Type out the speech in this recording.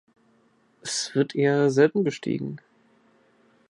Es wird eher selten bestiegen.